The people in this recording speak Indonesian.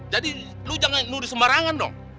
jadi lu jangan nuduh sembarangan dong